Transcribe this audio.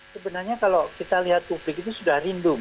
sebenarnya kalau kita lihat publik itu sudah rindu